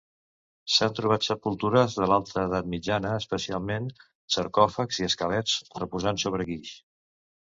S'han trobat sepultures de l’alta edat mitjana, especialment sarcòfags i esquelets reposant sobre guix.